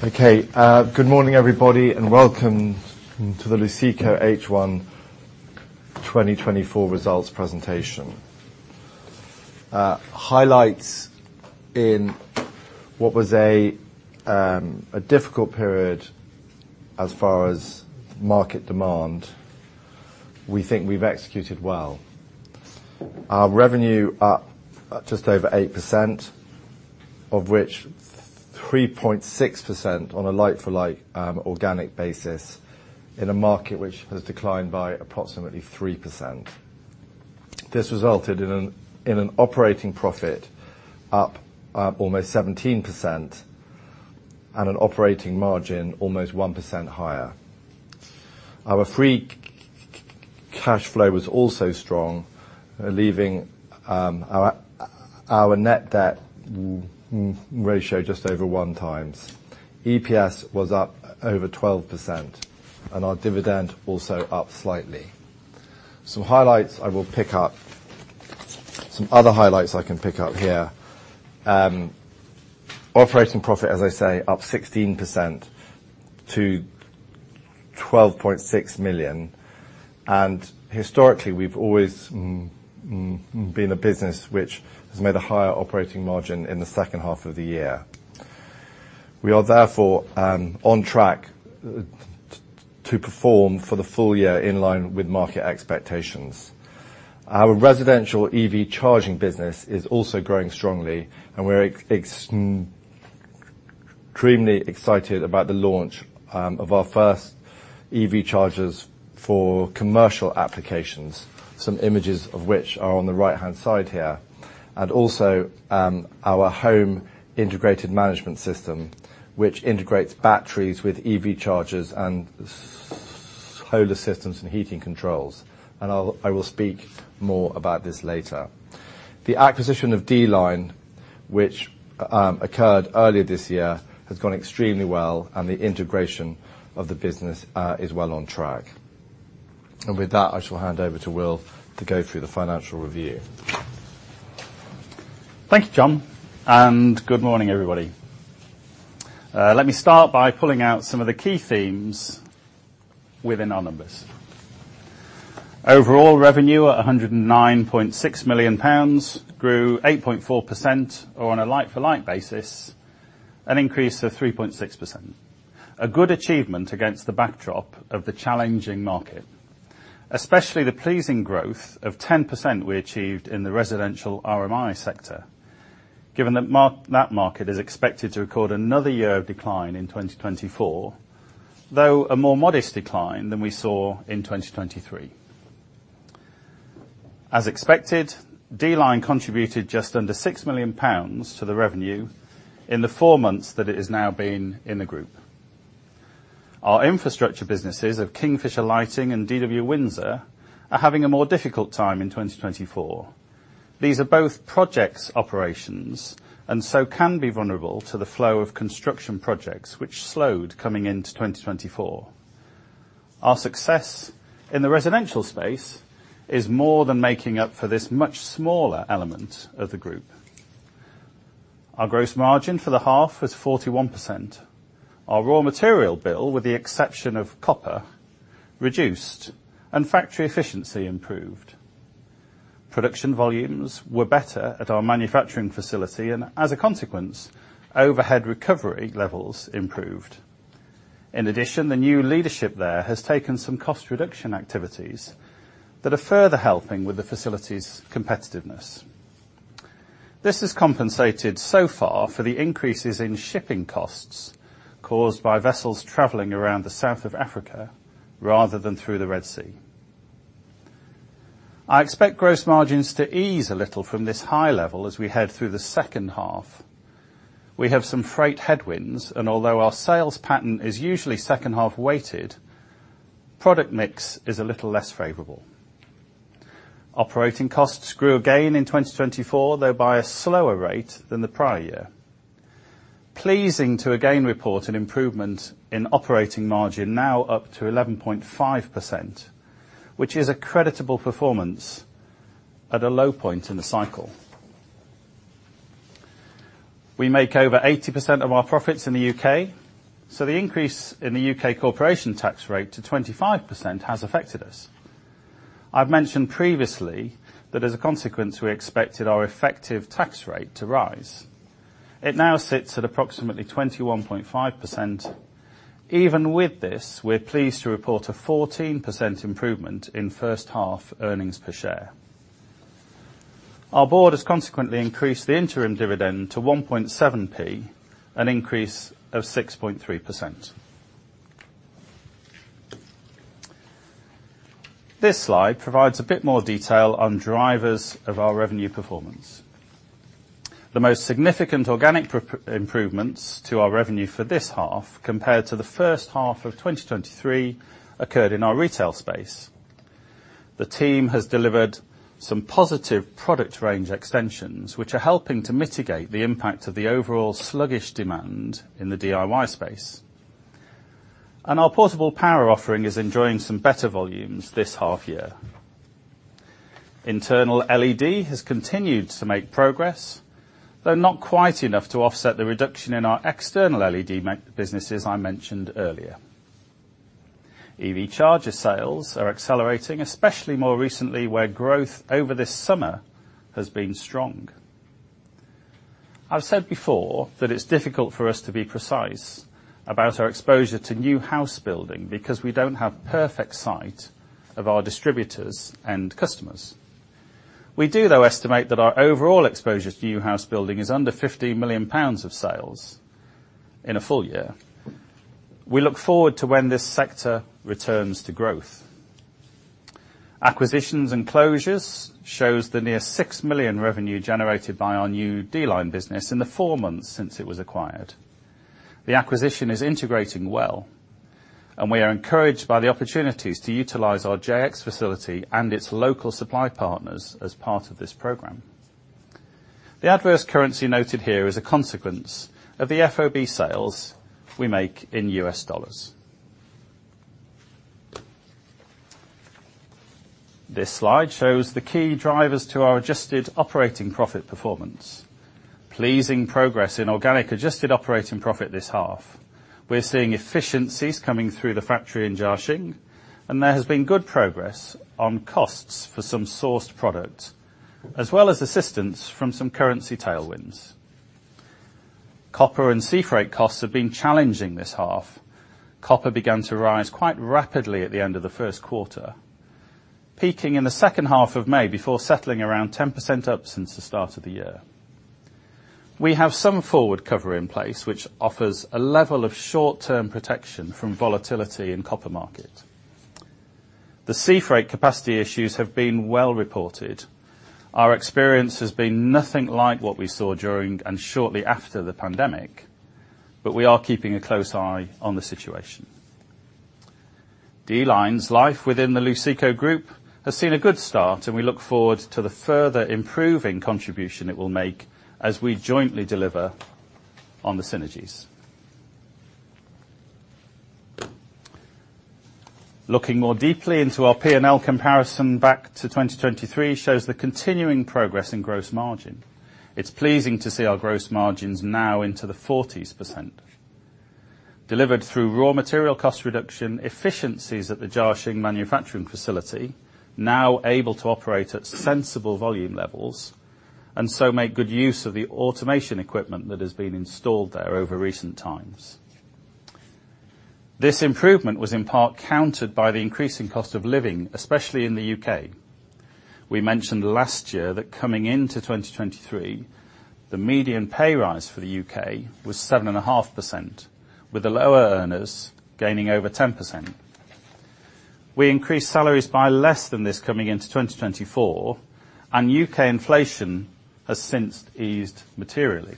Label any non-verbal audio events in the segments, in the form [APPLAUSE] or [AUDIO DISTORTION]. Okay, good morning, everybody, and welcome to the Luceco H1 2024 results presentation. Highlights in what was a difficult period as far as market demand, we think we've executed well. Our revenue up just over 8%, of which 3.6% on a like-for-like organic basis, in a market which has declined by approximately 3%. This resulted in an operating profit up almost 17%, and an operating margin almost 1% higher. Our free cash flow was also strong, leaving our net debt ratio just over one times. EPS was up over 12%, and our dividend also up slightly. Some highlights I will pick up. Some other highlights I can pick up here. And operating profit, as I say, up 16% to GBP 12.6 million, and historically, we've always been a business which has made a higher operating margin in the second half of the year. We are therefore on track to perform for the full year in line with market expectations. Our residential EV charging business is also growing strongly, and we're extremely excited about the launch of our first EV chargers for commercial applications, some images of which are on the right-hand side here, and also our home energy management system, which integrates batteries with EV chargers and solar systems and heating controls, and I will speak more about this later. The acquisition of D-Line, which occurred earlier this year, has gone extremely well, and the integration of the business is well on track. With that, I shall hand over to Will to go through the financial review. Thank you, John, and good morning, everybody. Let me start by pulling out some of the key themes within our numbers. Overall revenue at 109.6 million pounds grew 8.4%, or on a like-for-like basis, an increase of 3.6%. A good achievement against the backdrop of the challenging market, especially the pleasing growth of 10% we achieved in the residential RMI sector, given that market is expected to record another year of decline in 2024, though a more modest decline than we saw in 2023. As expected, D-Line contributed just under 6 million pounds to the revenue in the four months that it has now been in the group. Our infrastructure businesses of Kingfisher Lighting and DW Windsor are having a more difficult time in 2024. These are both projects operations and so can be vulnerable to the flow of construction projects, which slowed coming into 2024. Our success in the residential space is more than making up for this much smaller element of the group. Our gross margin for the half was 41%. Our raw material bill, with the exception of copper, reduced and factory efficiency improved. Production volumes were better at our manufacturing facility, and as a consequence, overhead recovery levels improved. In addition, the new leadership there has taken some cost reduction activities that are further helping with the facility's competitiveness. This has compensated so far for the increases in shipping costs caused by vessels traveling around the south of Africa rather than through the Red Sea. I expect gross margins to ease a little from this high level as we head through the second half. We have some freight headwinds, and although our sales pattern is usually second-half weighted, product mix is a little less favorable. Operating costs grew again in 2024, though by a slower rate than the prior year. Pleasing to again report an improvement in operating margin, now up to 11.5%, which is a creditable performance at a low point in the cycle. We make over 80% of our profits in the U.K., so the increase in the U.K. corporation tax rate to 25% has affected us. I've mentioned previously that as a consequence, we expected our effective tax rate to rise. It now sits at approximately 21.5%. Even with this, we're pleased to report a 14% improvement in first half earnings per share. Our board has consequently increased the interim dividend to 1.7p, an increase of 6.3%. This slide provides a bit more detail on drivers of our revenue performance. The most significant improvements to our revenue for this half, compared to the first half of 2023, occurred in our retail space. The team has delivered some positive product range extensions, which are helping to mitigate the impact of the overall sluggish demand in the DIY space, and our portable power offering is enjoying some better volumes this half year.... Internal LED has continued to make progress, though not quite enough to offset the reduction in our external LED market businesses I mentioned earlier. EV charger sales are accelerating, especially more recently, where growth over this summer has been strong. I've said before that it's difficult for us to be precise about our exposure to new house building, because we don't have perfect sight of our distributors and customers. We do, though, estimate that our overall exposure to new house building is under 50 million pounds of sales in a full year. We look forward to when this sector returns to growth. Acquisitions and closures shows the near 6 million revenue generated by our new D-Line business in the 4 months since it was acquired. The acquisition is integrating well, and we are encouraged by the opportunities to utilize our JX facility and its local supply partners as part of this program. The adverse currency noted here is a consequence of the FOB sales we make in U.S. dollars. This slide shows the key drivers to our adjusted operating profit performance. Pleasing progress in organic adjusted operating profit this half. We're seeing efficiencies coming through the factory in Jiaxing, and there has been good progress on costs for some sourced products, as well as assistance from some currency tailwinds. Copper and sea freight costs have been challenging this half. Copper began to rise quite rapidly at the end of the first quarter, peaking in the second half of May, before settling around 10% up since the start of the year. We have some forward cover in place, which offers a level of short-term protection from volatility in copper market. The sea freight capacity issues have been well reported. Our experience has been nothing like what we saw during and shortly after the pandemic, but we are keeping a close eye on the situation. D-Line's life within the Luceco Group has seen a good start, and we look forward to the further improving contribution it will make as we jointly deliver on the synergies. Looking more deeply into our P&L comparison back to twenty twenty-three shows the continuing progress in gross margin. It's pleasing to see our gross margins now into the 40%, delivered through raw material cost reduction, efficiencies at the Jiaxing manufacturing facility, now able to operate at sensible volume levels, and so make good use of the automation equipment that has been installed there over recent times. This improvement was in part countered by the increasing cost of living, especially in the U.K. We mentioned last year that coming into twenty twenty-three, the median pay rise for the U.K. was 7.5%, with the lower earners gaining over 10%. We increased salaries by less than this coming into 2024, and U.K. inflation has since eased materially.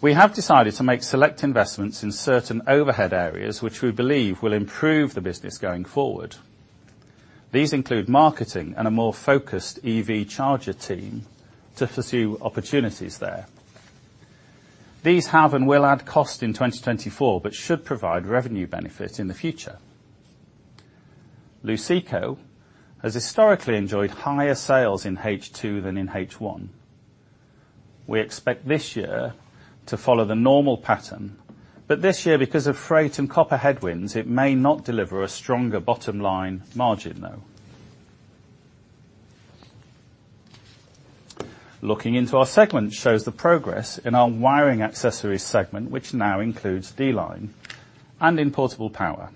We have decided to make select investments in certain overhead areas, which we believe will improve the business going forward. These include marketing and a more focused EV charger team to pursue opportunities there. These have and will add cost in 2024, but should provide revenue benefit in the future. Luceco has historically enjoyed higher sales in H2 than in H1. We expect this year to follow the normal pattern, but this year, because of freight and copper headwinds, it may not deliver a stronger bottom line margin, though. Looking into our segment shows the progress in our wiring accessories segment, which now includes D-Line and in portable power.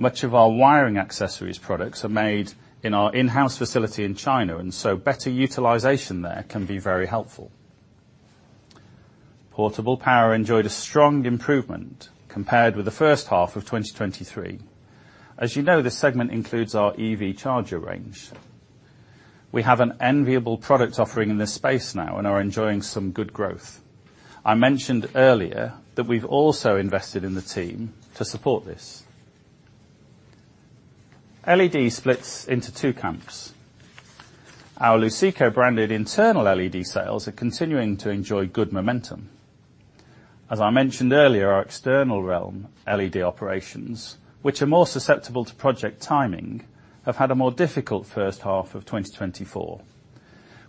Much of our wiring accessories products are made in our in-house facility in China, and so better utilization there can be very helpful. Portable power enjoyed a strong improvement compared with the first half of 2023. As you know, this segment includes our EV charger range. We have an enviable product offering in this space now and are enjoying some good growth. I mentioned earlier that we've also invested in the team to support this. LED splits into two camps. Our Luceco-branded internal LED sales are continuing to enjoy good momentum. As I mentioned earlier, our external realm, LED operations, which are more susceptible to project timing, have had a more difficult first half of 2024.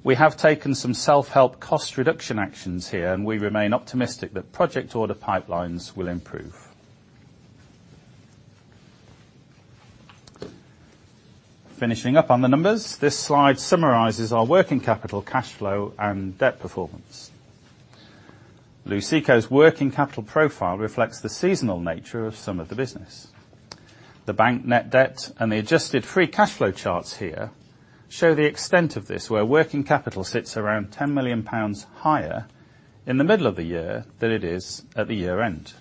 We have taken some self-help cost reduction actions here, and we remain optimistic that project order pipelines will improve. Finishing up on the numbers, this slide summarizes our working capital, cash flow, and debt performance. Luceco's working capital profile reflects the seasonal nature of some of the business. The bank net debt and the adjusted free cash flow charts here show the extent of this, where working capital sits around 10 million pounds higher in the middle of the year than it is at the year-end.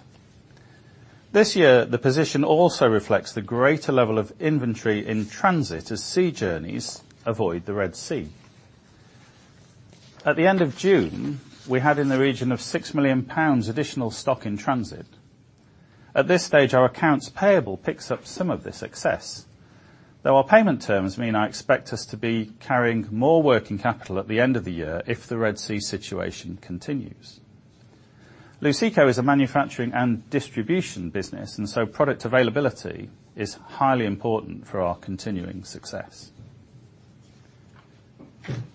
This year, the position also reflects the greater level of inventory in transit as sea journeys avoid the Red Sea. At the end of June, we had in the region of 6 million pounds additional stock in transit. At this stage, our accounts payable picks up some of this success, though our payment terms mean I expect us to be carrying more working capital at the end of the year if the Red Sea situation continues. Luceco is a manufacturing and distribution business, and so product availability is highly important for our continuing success.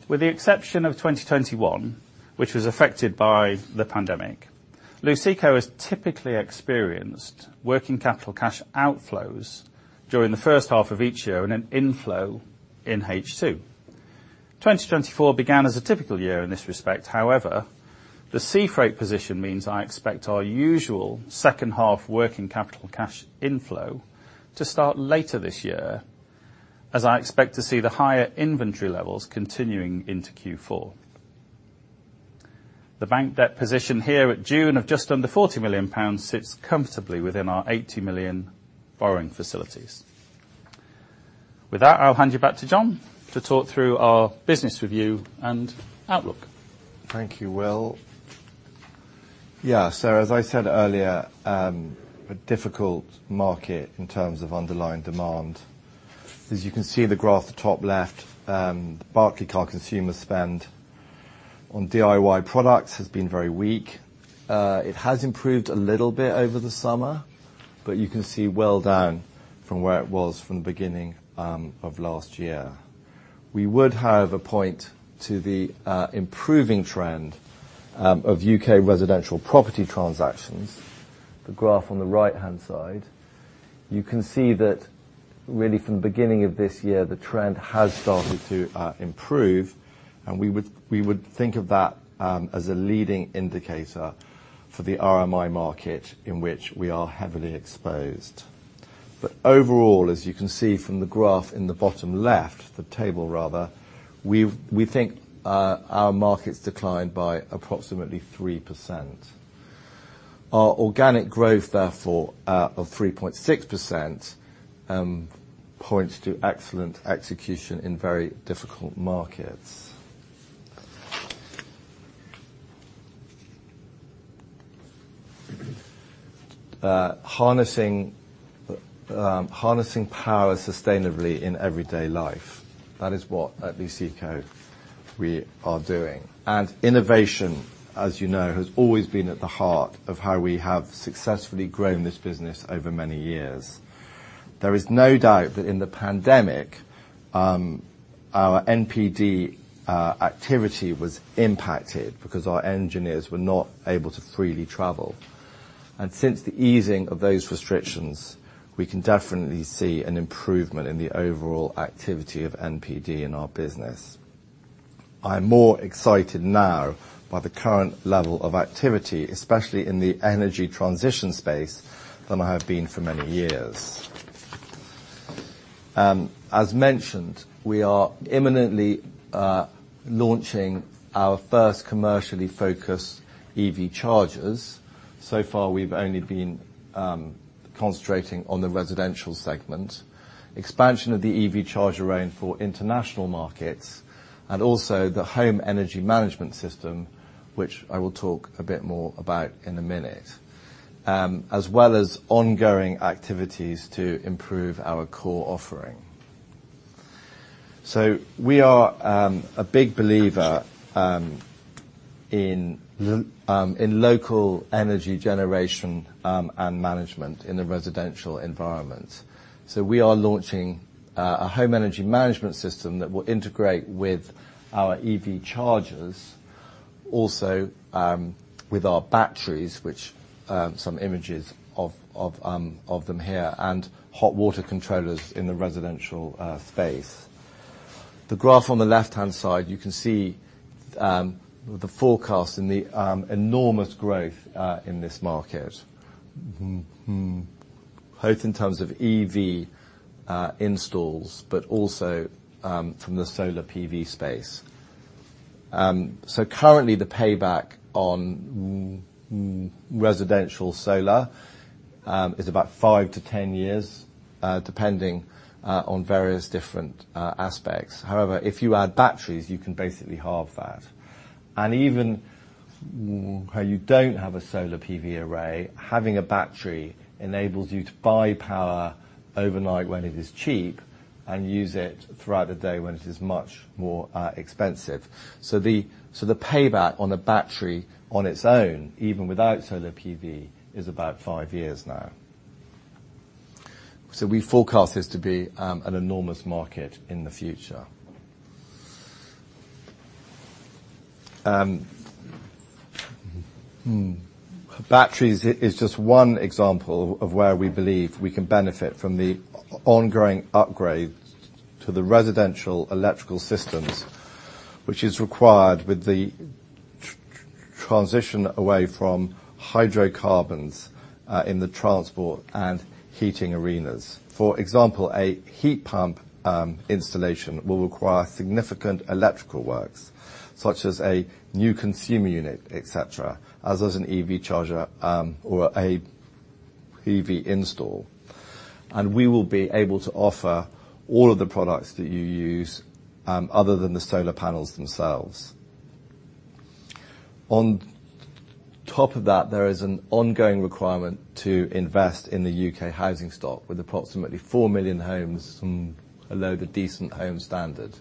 With the exception of 2021, which was affected by the pandemic, Luceco has typically experienced working capital cash outflows during the first half of each year, and an inflow in H2. 2024 began as a typical year in this respect. However, the sea freight position means I expect our usual second half working capital cash inflow to start later this year, as I expect to see the higher inventory levels continuing into Q4. The bank debt position here at June of just under 40 million pounds sits comfortably within our 80 million borrowing facilities. With that, I'll hand you back to John to talk through our business review and outlook. Thank you, Will. Yeah, so as I said earlier, a difficult market in terms of underlying demand. As you can see in the graph at the top left, Barclaycard consumer spend on DIY products has been very weak. It has improved a little bit over the summer, but you can see well down from where it was from the beginning of last year. We would, however, point to the improving trend of U.K. residential property transactions. The graph on the right-hand side, you can see that really from the beginning of this year, the trend has started to improve, and we would think of that as a leading indicator for the RMI market in which we are heavily exposed. But overall, as you can see from the graph in the bottom left, the table rather, we think our markets declined by approximately 3%. Our organic growth, therefore, of 3.6%, points to excellent execution in very difficult markets. Harnessing power sustainably in everyday life, that is what at Luceco we are doing, and innovation, as you know, has always been at the heart of how we have successfully grown this business over many years. There is no doubt that in the pandemic, our NPD activity was impacted because our engineers were not able to freely travel. And since the easing of those restrictions, we can definitely see an improvement in the overall activity of NPD in our business. I'm more excited now by the current level of activity, especially in the energy transition space, than I have been for many years. As mentioned, we are imminently launching our first commercially focused EV chargers. So far, we've only been concentrating on the residential segment. Expansion of the EV charger range for international markets and also the home energy management system, which I will talk a bit more about in a minute, as well as ongoing activities to improve our core offering. So we are a big believer in local energy generation and management in the residential environment. So we are launching a home energy management system that will integrate with our EV chargers, also with our batteries, which some images of them here, and hot water controllers in the residential space. The graph on the left-hand side, you can see, the forecast and the enormous growth in this market, both in terms of EV installs, but also from the solar PV space, so currently, the payback on residential solar is about five to 10 years, depending on various different aspects. However, if you add batteries, you can basically halve that, and even where you don't have a solar PV array, having a battery enables you to buy power overnight when it is cheap and use it throughout the day when it is much more expensive, so the payback on a battery on its own, even without solar PV, is about five years now, so we forecast this to be an enormous market in the future. Batteries is just one example of where we believe we can benefit from the ongoing upgrade to the residential electrical systems, which is required with the transition away from hydrocarbons in the transport and heating arenas. For example, a heat pump installation will require significant electrical works, such as a new consumer unit, et cetera, as does an EV charger or a EV install. And we will be able to offer all of the products that you use other than the solar panels themselves. On top of that, there is an ongoing requirement to invest in the UK housing stock, with approximately four million homes from below the Decent Homes Standard,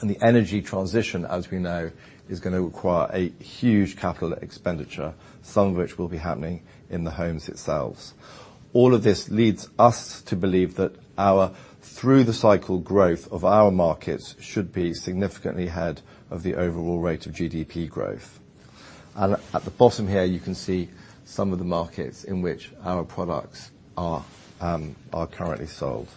and the energy transition, as we know, is going to require a huge capital expenditure, some of which will be happening in the homes themselves. All of this leads us to believe that our through the cycle growth of our markets should be significantly ahead of the overall rate of GDP growth. And at the bottom here, you can see some of the markets in which our products are currently sold.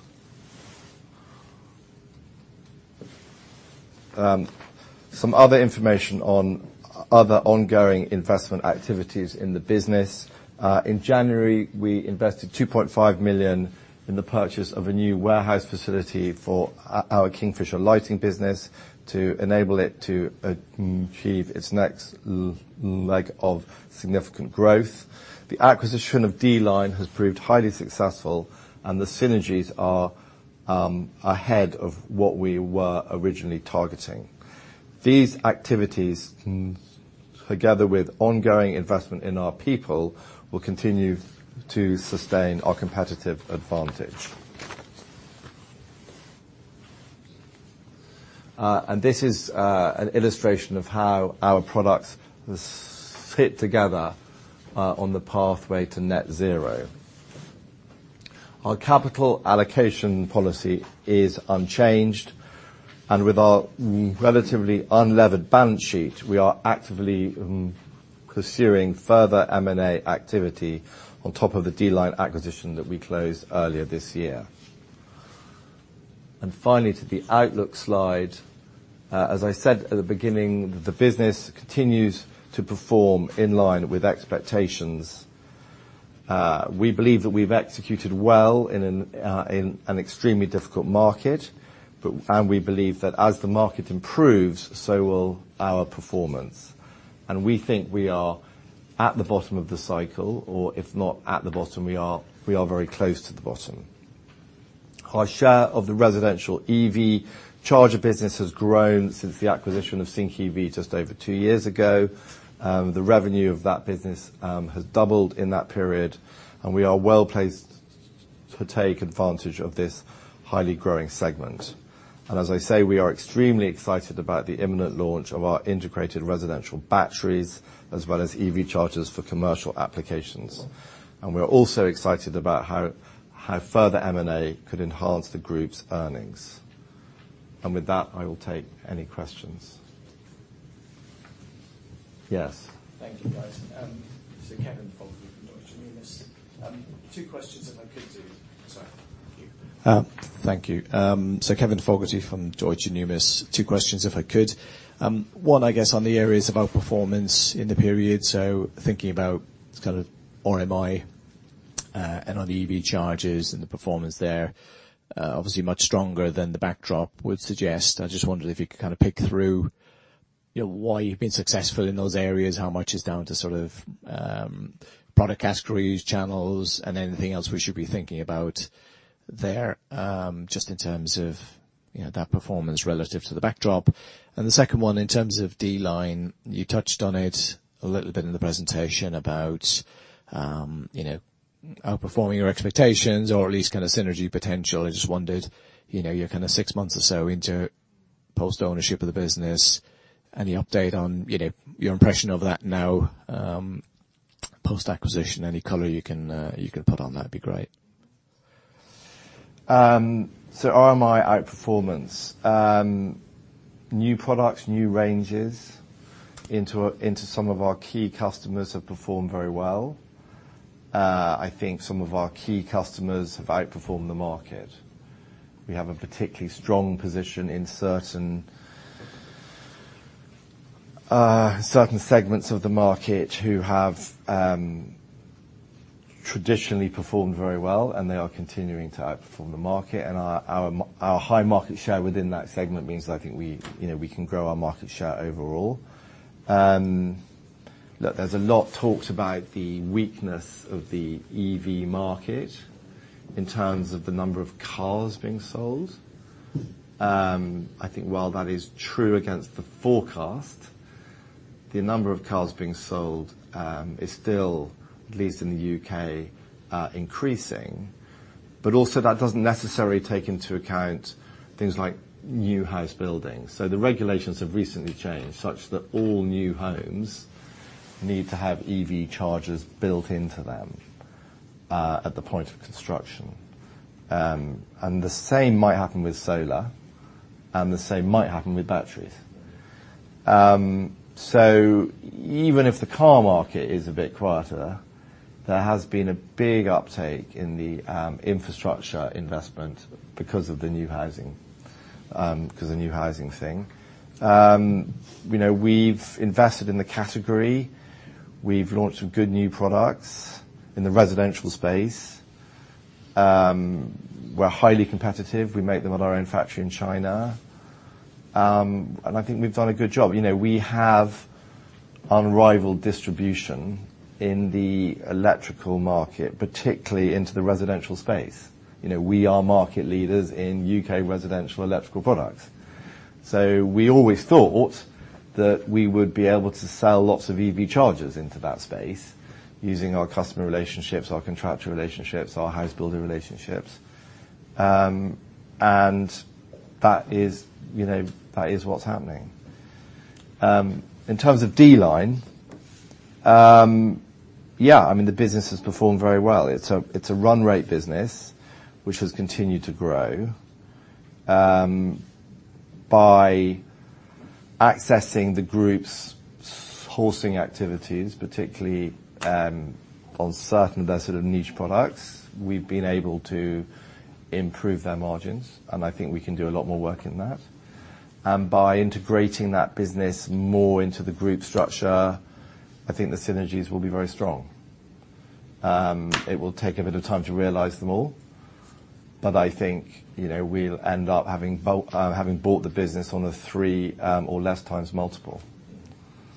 Some other information on other ongoing investment activities in the business. In January, we invested 2.5 million in the purchase of a new warehouse facility for our Kingfisher Lighting business to enable it to achieve its next leg of significant growth. The acquisition of D-Line has proved highly successful, and the synergies are ahead of what we were originally targeting. These activities, together with ongoing investment in our people, will continue to sustain our competitive advantage. And this is an illustration of how our products fit together on the pathway to net zero. Our capital allocation policy is unchanged, and with our relatively unlevered balance sheet, we are actively pursuing further M&A activity on top of the D-Line acquisition that we closed earlier this year. And finally, to the outlook slide. As I said at the beginning, the business continues to perform in line with expectations. We believe that we've executed well in an extremely difficult market, but and we believe that as the market improves, so will our performance. And we think we are at the bottom of the cycle, or if not at the bottom, we are very close to the bottom. Our share of the residential EV charger business has grown since the acquisition of Sync EV just over two years ago. The revenue of that business has doubled in that period, and we are well-placed to take advantage of this highly growing segment. And as I say, we are extremely excited about the imminent launch of our integrated residential batteries, as well as EV chargers for commercial applications. And we are also excited about how further M&A could enhance the group's earnings. And with that, I will take any questions. Yes. Thank you, guys. So Kevin Fogarty from Deutsche Numis. Two questions, if I could. One, I guess, on the areas of outperformance in the period. So thinking about kind of RMI, and on the EV chargers and the performance there, obviously much stronger than the backdrop would suggest. I just wondered if you could kind of pick through, you know, why you've been successful in those areas, how much is down to sort of, product categories, channels, and anything else we should be thinking about there, just in terms of, you know, that performance relative to the backdrop. The second one, in terms of D-Line, you touched on it a little bit in the presentation about, you know, outperforming your expectations or at least kind of synergy potential. I just wondered, you know, you're kind of six months or so into post-ownership of the business. Any update on, you know, your impression of that now, post-acquisition? Any color you can put on that would be great. So RMI outperformance. New products, new ranges into some of our key customers have performed very well. I think some of our key customers have outperformed the market. We have a particularly strong position in certain segments of the market who have traditionally performed very well, and they are continuing to outperform the market. And our high market share within that segment means that I think we, you know, we can grow our market share overall. Look, there's a lot talked about the weakness of the EV market in terms of the number of cars being sold. I think while that is true against the forecast, the number of cars being sold is still, at least in the U.K., increasing. But also, that doesn't necessarily take into account things like new house building. So the regulations have recently changed such that all new homes need to have EV chargers built into them, at the point of construction. And the same might happen with solar, and the same might happen with batteries. So even if the car market is a bit quieter, there has been a big uptake in the infrastructure investment because of the new housing, because the new housing thing. We know we've invested in the category. We've launched some good new products in the residential space. We're highly competitive. We make them at our own factory in China. And I think we've done a good job. You know, we have unrivaled distribution in the electrical market, particularly into the residential space. You know, we are market leaders in UK residential electrical products. So we always thought... that we would be able to sell lots of EV chargers into that space using our customer relationships, our contractual relationships, our house building relationships. And that is, you know, that is what's happening. In terms of D-Line, yeah, I mean, the business has performed very well. It's a, it's a run-rate business, which has continued to grow. By accessing the group's sourcing activities, particularly, on certain of their sort of niche products, we've been able to improve their margins, and I think we can do a lot more work in that. And by integrating that business more into the group structure, I think the synergies will be very strong. It will take a bit of time to realize them all, but I think, you know, we'll end up having bought the business on a three, or less times multiple.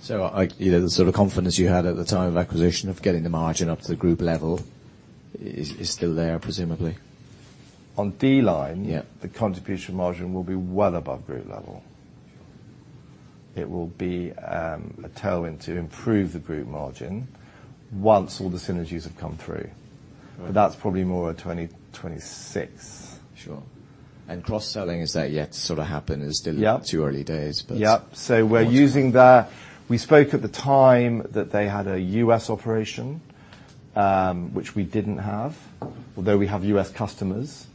So I, you know, the sort of confidence you had at the time of acquisition, of getting the margin up to the group level is still there, presumably? On D-Line- Yeah. The contribution margin will be well above group level. It will be a tailwind to improve the group margin once all the synergies have come through. Right. That's probably more a 2026. Sure, and cross-selling, is that yet to sort of happen? Yep. It's still too early days, but- Yep, so we're using their... We spoke at the time that they had a U.S. operation, which we didn't have, although we have U.S. customers,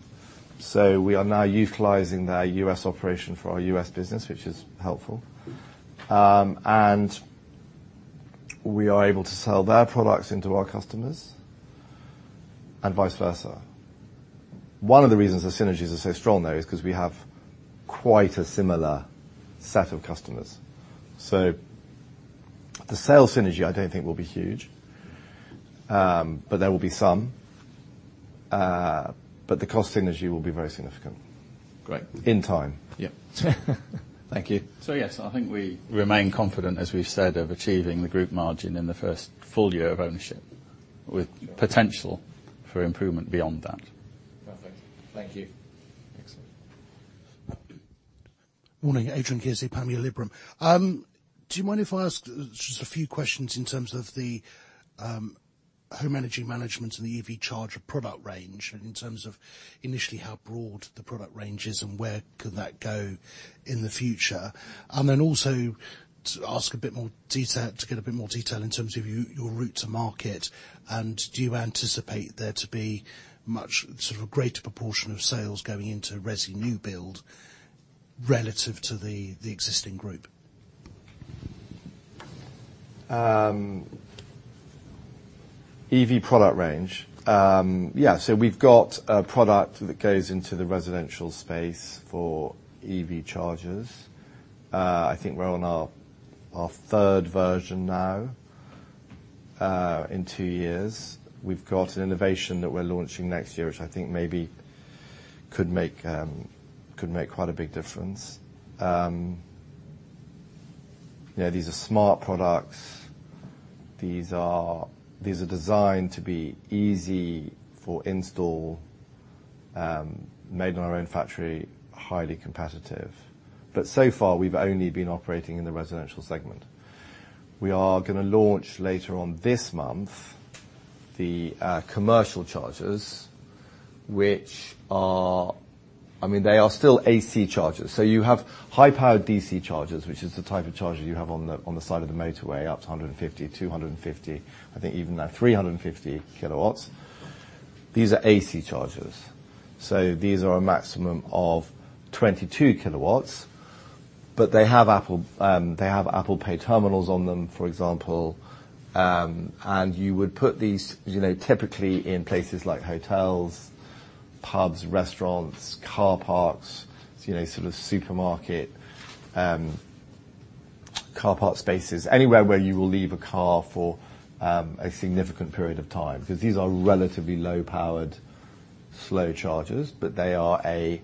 so we are now utilizing their U.S. operation for our U.S. business, which is helpful, and we are able to sell their products into our customers and vice versa. One of the reasons the synergies are so strong, though, is because we have quite a similar set of customers, so the sales synergy, I don't think will be huge, but there will be some, but the cost synergy will be very significant. Great. In time. Yep. Thank you. Yes, I think we remain confident, as we've said, of achieving the group margin in the first full year of ownership, with potential for improvement beyond that. Perfect. Thank you. Excellent. Morning, Adrian Kearsey, Panmure Liberum. Do you mind if I ask just a few questions in terms of the, home energy management and the EV charger product range, in terms of initially how broad the product range is and where could that go in the future? And then also to ask a bit more detail, to get a bit more detail in terms of your, your route to market, and do you anticipate there to be much, sort of a greater proportion of sales going into resi new build relative to the, the existing group? EV product range. Yeah, so we've got a product that goes into the residential space for EV chargers. I think we're on our third version now, in two years. We've got an innovation that we're launching next year, which I think maybe could make quite a big difference. Yeah, these are smart products. These are designed to be easy for install, made in our own factory, highly competitive. But so far, we've only been operating in the residential segment. We are gonna launch, later on this month, the commercial chargers, which are... I mean, they are still AC chargers. So you have high-powered DC chargers, which is the type of charger you have on the side of the motorway, up to 150, 250, I think even now, 350 kilowatts. These are AC chargers, so these are a maximum of 22 kilowatts, but they have Apple, they have Apple Pay terminals on them, for example. And you would put these, you know, typically in places like hotels, pubs, restaurants, car parks, you know, sort of supermarket, car park spaces, anywhere where you will leave a car for a significant period of time, because these are relatively low-powered, slow chargers, but they are a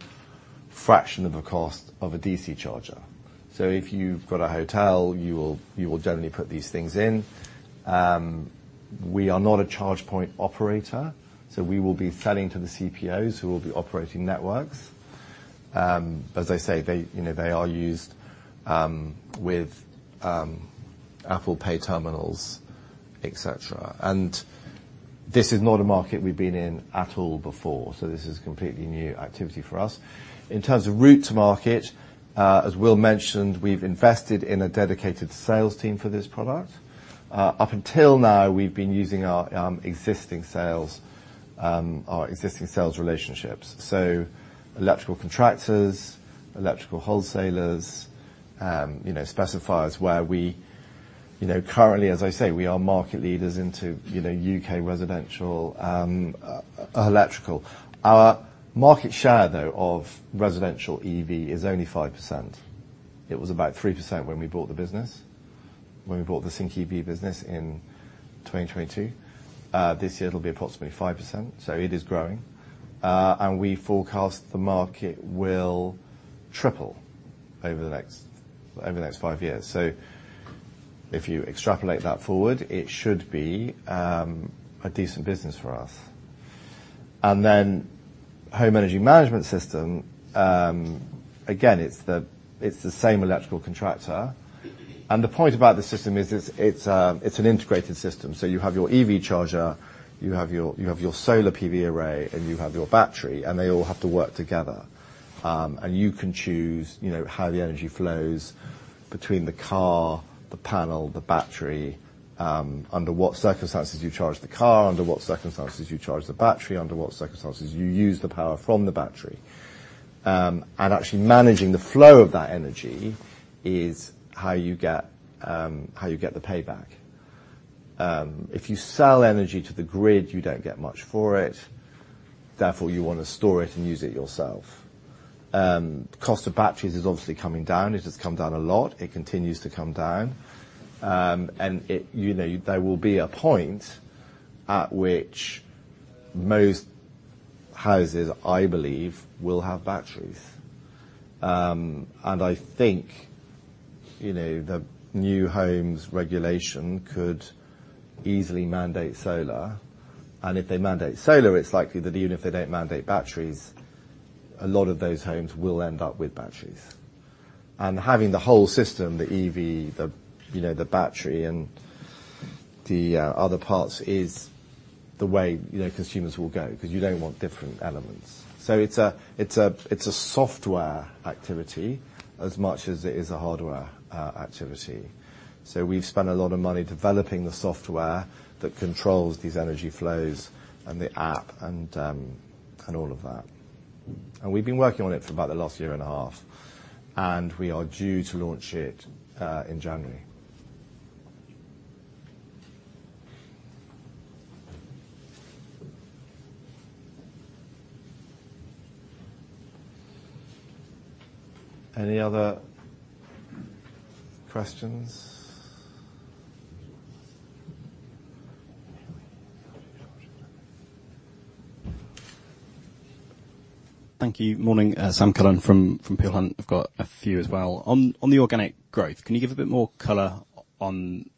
fraction of the cost of a DC charger. So if you've got a hotel, you will, you will generally put these things in. We are not a charge point operator, so we will be selling to the CPOs, who will be operating networks. As I say, they, you know, they are used with Apple Pay terminals, et cetera. And this is not a market we've been in at all before, so this is completely new activity for us. In terms of route to market, as Will mentioned, we've invested in a dedicated sales team for this product. Up until now, we've been using our existing sales relationships. So electrical contractors, electrical wholesalers, you know, specifiers, where we, you know, currently, as I say, we are market leaders into, you know, U.K. residential electrical. Our market share, though, of residential EV is only 5%. It was about 3% when we bought the business, when we bought the Sync EV business in 2022. This year, it'll be approximately 5%, so it is growing. And we forecast the market will triple over the next five years. So if you extrapolate that forward, it should be a decent business for us. Then home energy management system, again, it's the same electrical contractor. The point about the system is it's an integrated system. So you have your EV charger, you have your solar PV array, and you have your battery, and they all have to work together. And you can choose, you know, how the energy flows between the car, the panel, the battery, under what circumstances you charge the car, under what circumstances you charge the battery, under what circumstances you use the power from the battery. And actually managing the flow of that energy is how you get the payback. If you sell energy to the grid, you don't get much for it, therefore, you want to store it and use it yourself. Cost of batteries is obviously coming down. It has come down a lot. It continues to come down. And it, you know, there will be a point at which most houses, I believe, will have batteries. And I think, you know, the new homes regulation could easily mandate solar. If they mandate solar, it's likely that even if they don't mandate batteries, a lot of those homes will end up with batteries. Having the whole system, the EV, you know, the battery, and the other parts, is the way, you know, consumers will go, 'cause you don't want different elements. It's a software activity as much as it is a hardware activity. We've spent a lot of money developing the software that controls these energy flows and the app and all of that. We've been working on it for about the last year and a half, and we are due to launch it in January. Any other questions? Thank you. Morning, Sam Cullen from Peel Hunt. I've got a few as well. On the organic growth, can you give a bit more color on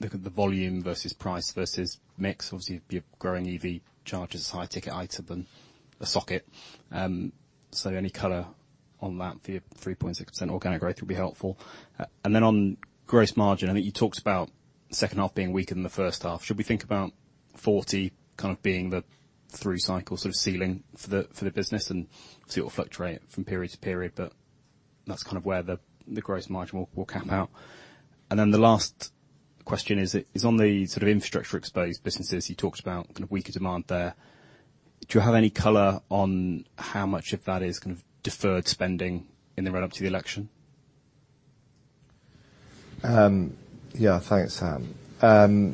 the volume versus price versus mix? Obviously, you're growing EV chargers, high ticket item than a socket. So any color on that for your 3.6% organic growth would be helpful. And then on gross margin, I think you talked about second half being weaker than the first half. Should we think about 40 kind of being the through cycle sort of ceiling for the business and sort of fluctuate from period to period, but that's kind of where the gross margin will cap out? And then the last question is on the sort of infrastructure-exposed businesses, you talked about kind of weaker demand there. Do you have any color on how much of that is kind of deferred spending in the run-up to the election? Yeah, thanks, Sam. RMI,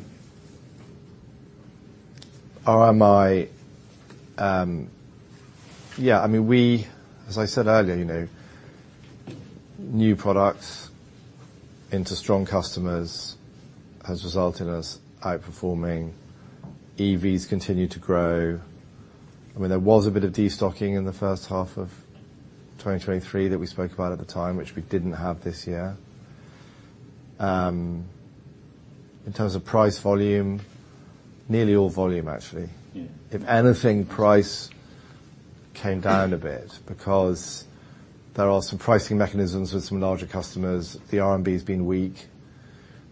yeah, I mean, as I said earlier, you know, new products into strong customers has resulted in us outperforming. EVs continue to grow. I mean, there was a bit of destocking in the first half of 2023 that we spoke about at the time, which we didn't have this year. In terms of price, volume, nearly all volume, actually. Yeah. If anything, price came down a bit because there are some pricing mechanisms with some larger customers. The RMB has been weak.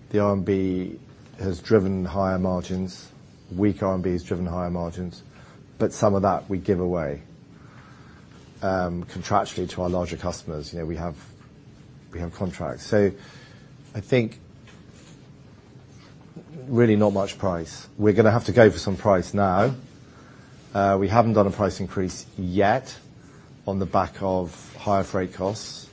The RMB has driven higher margins. Weak RMB has driven higher margins. But some of that we give away contractually to our larger customers. You know, we have contracts. So I think really not much price. We're gonna have to go for some price now. We haven't done a price increase yet on the back of higher freight costs.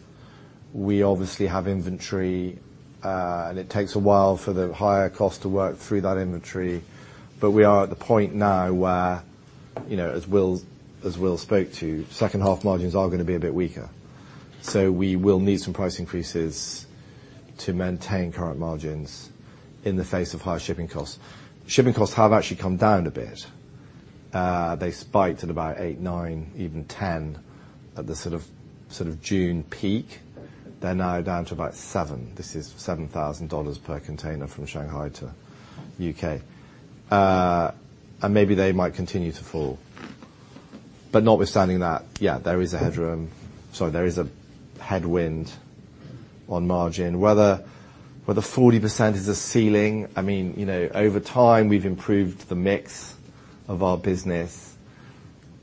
We obviously have inventory, and it takes a while for the higher cost to work through that inventory. But we are at the point now where, you know, as Will spoke to, second-half margins are gonna be a bit weaker, so we will need some price increases to maintain current margins in the face of higher shipping costs. Shipping costs have actually come down a bit. They spiked at about eight, nine, even 10 at the sort of June peak. They're now down to about 7. This is $7,000 per container from Shanghai to U.K. And maybe they might continue to fall. But notwithstanding that, yeah, there is a headroom. Sorry, there is a headwind on margin. Whether 40% is a ceiling, I mean, you know, over time, we've improved the mix of our business.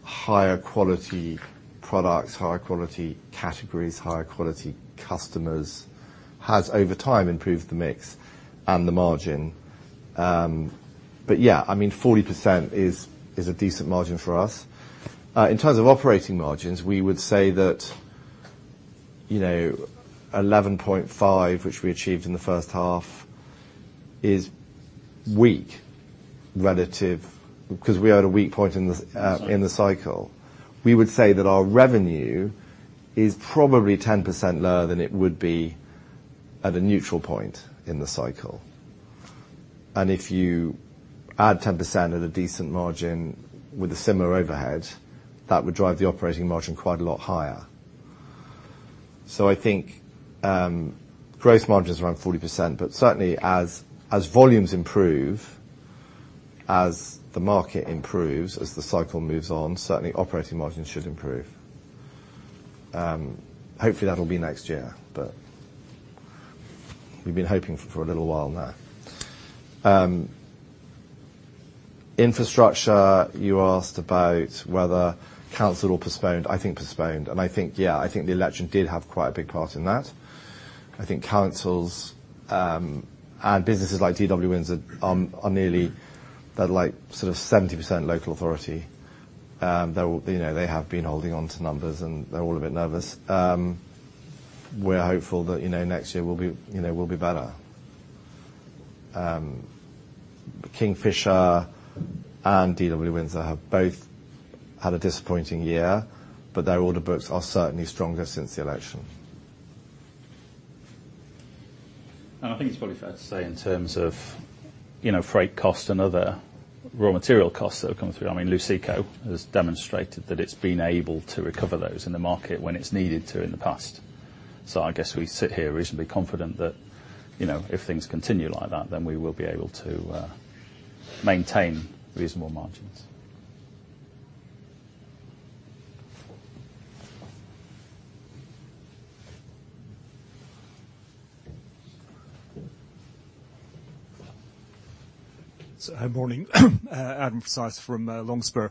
Higher quality products, higher quality categories, higher quality customers, has, over time, improved the mix and the margin. But yeah, I mean, 40% is a decent margin for us. In terms of operating margins, we would say that, you know, 11.5, which we achieved in the first half, is weak relative... 'Cause we are at a weak point in the [AUDIO DISTORTION] in the cycle. We would say that our revenue is probably 10% lower than it would be at a neutral point in the cycle, and if you add 10% at a decent margin with a similar overhead, that would drive the operating margin quite a lot higher, so I think gross margin is around 40%, but certainly as volumes improve, as the market improves, as the cycle moves on, certainly operating margins should improve. Hopefully, that'll be next year, but we've been hoping for a little while now. Infrastructure, you asked about whether canceled or postponed? I think postponed, and I think, yeah, I think the election did have quite a big part in that. I think councils and businesses like DW Windsor are nearly, they're like sort of 70% local authority. They, you know, they have been holding on to numbers, and they're all a bit nervous. We're hopeful that, you know, next year will be, you know, will be better. Kingfisher and DW Windsor have both had a disappointing year, but their order books are certainly stronger since the election. I think it's probably fair to say, in terms of, you know, freight cost and other raw material costs that have come through, I mean, Luceco has demonstrated that it's been able to recover those in the market when it's needed to in the past. So I guess we sit here reasonably confident that, you know, if things continue like that, then we will be able to maintain reasonable margins. Good morning. Adam Forsyth from Longspur.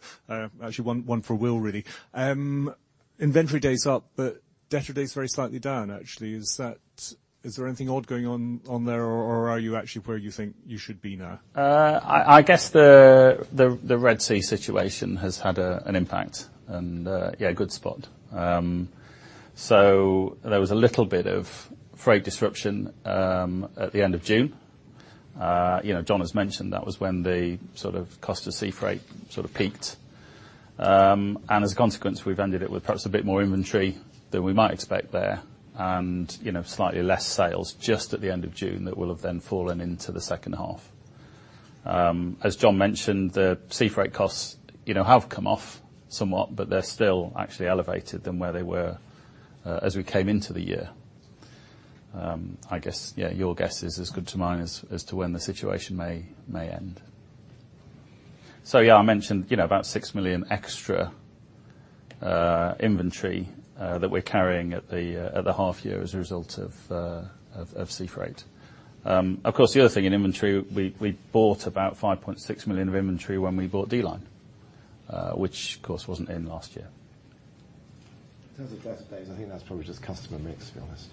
Actually, one for Will, really. Inventory days up, but debtor days very slightly down, actually. Is that... Is there anything odd going on there, or are you actually where you think you should be now? I guess the Red Sea situation has had an impact, and yeah, good spot. So there was a little bit of freight disruption at the end of June. You know, John has mentioned that was when the sort of cost of sea freight sort of peaked. And as a consequence, we've ended it with perhaps a bit more inventory than we might expect there and, you know, slightly less sales just at the end of June that will have then fallen into the second half. As John mentioned, the sea freight costs, you know, have come off somewhat, but they're still actually elevated than where they were as we came into the year. I guess, yeah, your guess is as good as mine as to when the situation may end. So yeah, I mentioned, you know, about 6 million extra inventory that we're carrying at the half year as a result of sea freight. Of course, the other thing in inventory, we bought about 5.6 million of inventory when we bought D-Line, which, of course, wasn't in last year. In terms of debtor days, I think that's probably just customer mix, to be honest.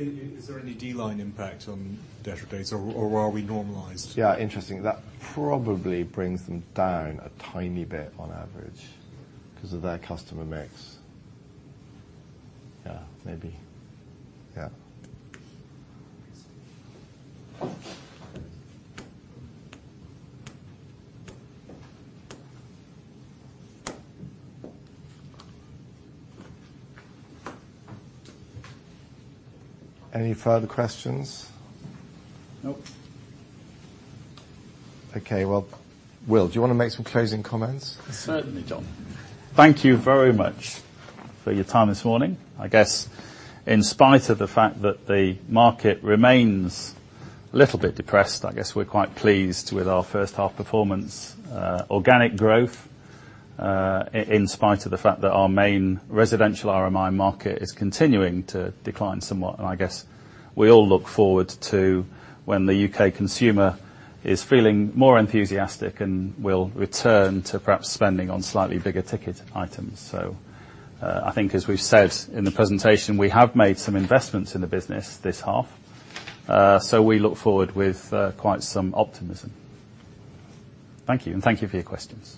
Is there any D-Line impact on debtor days, or are we normalized? Yeah, interesting. That probably brings them down a tiny bit on average because of their customer mix. Yeah, maybe. Yeah. Any further questions? Nope. Okay, well, Will, do you want to make some closing comments? Certainly, John. Thank you very much for your time this morning. I guess in spite of the fact that the market remains a little bit depressed, I guess we're quite pleased with our first half performance, organic growth, in spite of the fact that our main residential RMI market is continuing to decline somewhat, and I guess we all look forward to when the UK consumer is feeling more enthusiastic and will return to perhaps spending on slightly bigger ticket items. So, I think as we've said in the presentation, we have made some investments in the business this half, so we look forward with quite some optimism. Thank you, and thank you for your questions.